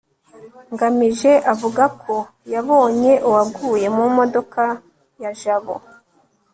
ngamije avuga ko yabonye uwaguye mu modoka ya jabo